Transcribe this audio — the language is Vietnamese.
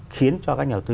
khiến cho các nhà đầu tư